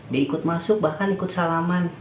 dia ikut masuk bahkan ikut salaman